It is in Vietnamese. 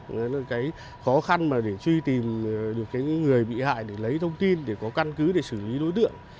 đấy là cái khó khăn mà để truy tìm được cái người bị hại để lấy thông tin để có căn cứ để xử lý đối tượng